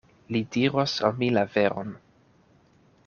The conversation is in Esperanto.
Li diros al mi la veron.